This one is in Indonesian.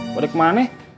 gue ada kemane